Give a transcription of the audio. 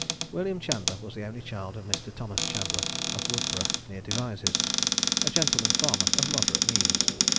William Chandler was the only child of Mr. Thomas Chandler, of Woodborough, near Devizes, a gentleman farmer of moderate means.